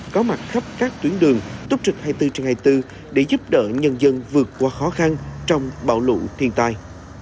có mặt khắp các tuyến đường túc trịch hai mươi bốn trên hai mươi bốn để giúp đỡ nhân dân vượt qua khó khăn trong bão lụ thiên tai